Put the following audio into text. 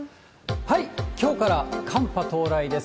きょうから寒波到来です。